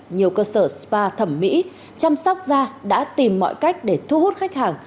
nhiều cơ sở spa thẩm mỹ chăm sóc da đã tìm mọi cách để thu hút khách hàng